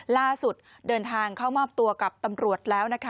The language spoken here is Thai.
เดินทางเข้ามอบตัวกับตำรวจแล้วนะคะ